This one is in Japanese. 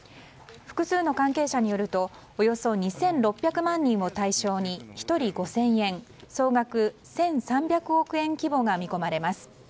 複数の関係者によるとおよそ２６００万人を対象に１人５０００円総額１３００億円規模が見込まれます。